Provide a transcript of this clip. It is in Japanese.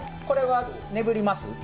これはねぶります？